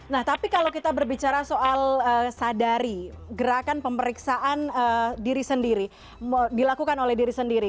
nah tapi kalau kita berbicara soal sadari gerakan pemeriksaan diri sendiri dilakukan oleh diri sendiri